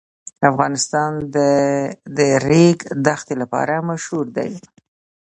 افغانستان د د ریګ دښتې لپاره مشهور دی.